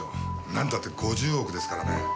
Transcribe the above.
なんたって５０億ですからね。